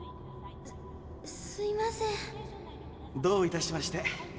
どういたしまして。